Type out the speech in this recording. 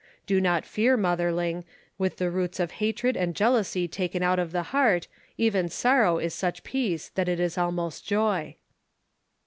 Do not fear, motherling; with the roots of hatred and jealousy taken out of the heart, even sorrow is such peace that it is almost joy."